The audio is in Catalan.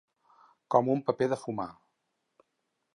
Com un paper de fumar.